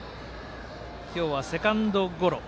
今日はセカンドゴロ。